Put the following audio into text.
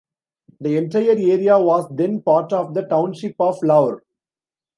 The entire area was then part of the township of Laur.